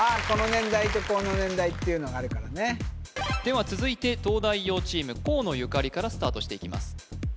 この年代とこの年代っていうのがあるからねでは続いて東大王チーム河野ゆかりからスタートしていきます